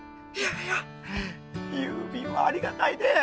いやいや郵便はありがたいね。